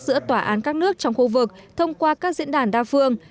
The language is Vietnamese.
giữa tòa án các nước trong khu vực thông qua các diễn đàn đa phương